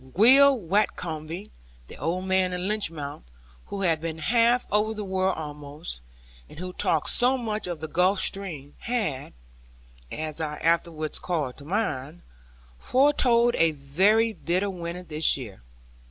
Will Watcombe, the old man at Lynmouth, who had been half over the world almost, and who talked so much of the Gulf stream, had (as I afterwards called to mind) foretold a very bitter winter this year.